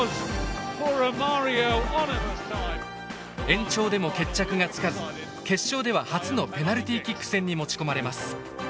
延長でも決着がつかず決勝では初のペナルティキック戦に持ち込まれます。